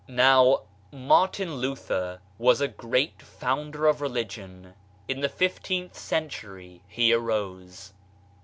Now, Martin Luther was a great founder of religion. In the fifteenth century he arose.